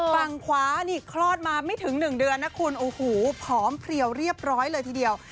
ฝั่งขวานี่คลอดมาไม่ถึง๑เดือนนะคุณโอ้โหผอมเพลียวเรียบร้อยเลยทีเดียว